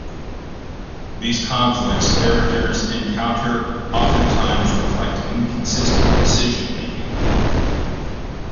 These conflicts characters encounter oftentimes reflect inconsistent decision making.